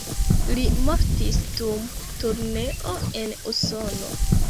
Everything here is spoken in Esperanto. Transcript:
Li mortis dum turneo en Usono.